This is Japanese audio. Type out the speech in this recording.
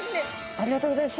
ありがとうございます。